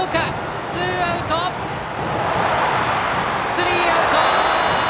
スリーアウト！